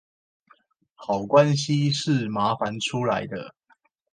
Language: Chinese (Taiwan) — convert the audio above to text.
好關係是麻煩出來的